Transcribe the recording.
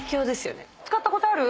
使ったことある？